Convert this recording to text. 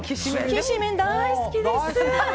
きしめん大好きです！